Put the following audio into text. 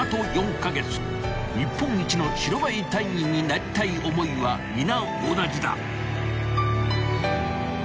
［日本一の白バイ隊員になりたい思いは皆同じだ］